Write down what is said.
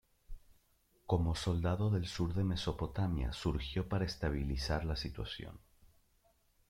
Como soldado del sur de Mesopotamia, surgió para estabilizar la situación.